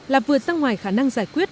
là vượt ra ngoài khả năng giải quyết